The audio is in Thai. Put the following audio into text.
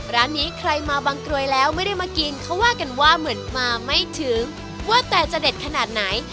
ร้านนี้ใครมาบางกรวยแล้วไม่ได้มากินเขาว่ากันว่าเหมือนมาไม่ถึงว่าแต่จะเด็ดขนาดไหน